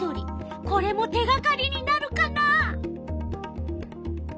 これも手がかりになるかな？